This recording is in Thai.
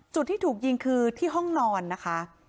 จุดที่ถูกยิงคือที่ห้องนอนนะคะ